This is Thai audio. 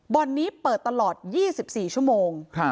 นี้เปิดตลอด๒๔ชั่วโมง